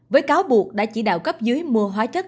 với cáo buộc đã chỉ đạo cấp dưới mua hóa chất